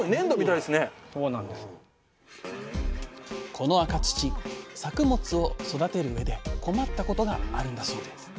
この赤土作物を育てるうえで困ったことがあるんだそうです。